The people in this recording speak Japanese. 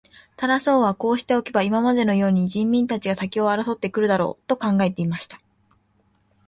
タラス王はこうしておけば、今までのように人民たちが先を争って来るだろう、と考えていました。